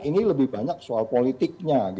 ini lebih banyak soal politiknya